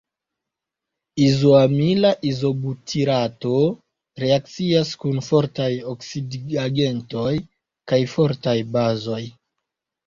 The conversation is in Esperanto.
Izoamila izobutirato reakcias kun fortaj oksidigagentoj kaj fortaj bazoj.